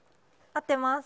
合ってます。